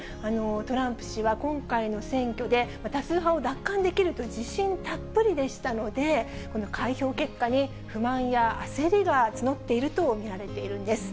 トランプ氏は今回の選挙で、多数派を奪還できると自信たっぷりでしたので、この開票結果に不満や焦りが募っていると見られているんです。